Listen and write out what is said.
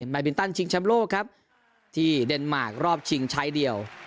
มาบินตันชิงชำโลกครับที่เดนมาร์ครอบชิงชัยเดียว